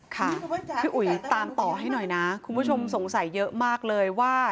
ค่ะพี่อุ๋ยตามต่อให้หน่อยนะคุณผู้ชมสงสัยเยอะมากเลยว่า